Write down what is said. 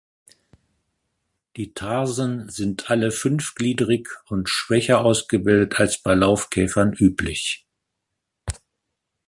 Die Tarsen sind alle fünfgliedrig und schwächer ausgebildet als bei Laufkäfern üblich.